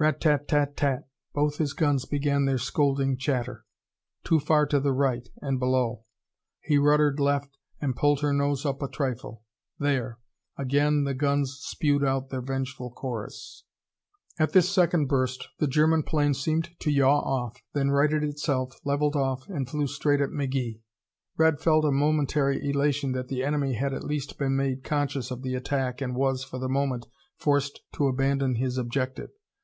Rat tat tat tat tat! Both his guns began their scolding chatter. Too far to the right and below. He ruddered left and pulled her nose up a trifle. There! Again the guns spewed out their vengeful chorus. At this second burst the German plane seemed to yaw off, then righted itself, leveled off and flew straight at McGee. Red felt a momentary elation that the enemy had at least been made conscious of the attack and was, for the moment, forced to abandon his objective.